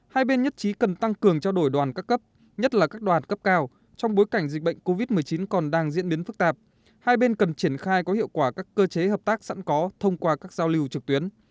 hai bên nhất trí cần tăng cường trao đổi đoàn các cấp nhất là các đoàn cấp cao trong bối cảnh dịch bệnh covid một mươi chín còn đang diễn biến phức tạp hai bên cần triển khai có hiệu quả các cơ chế hợp tác sẵn có thông qua các giao lưu trực tuyến